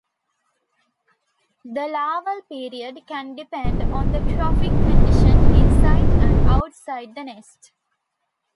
The larval period can depend on the trophic condition inside and outside the nest.